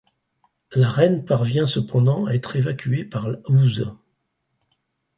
La reine parvient cependant à être évacuée par la Ouse.